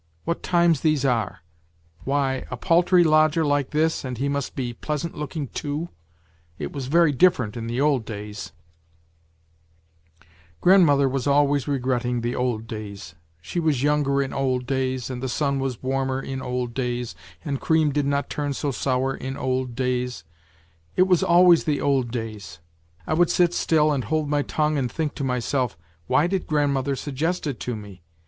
What times these are ! Why a paltry lodger like this, and he must be pleasant looking too ; it was very different in the old days !'" Grandmother was always regretting the old days she was younger in old days, and the sun was warmer in old days, and cream did not turn so sour in old days it was always the old days ! I would sit still and hold my tongue and think to myself : why did grandmother suggest it to me